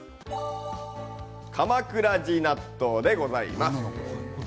鎌倉路納豆でございます。